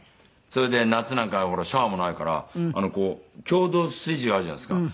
それで夏なんかはシャワーもないから共同炊事があるじゃないですか。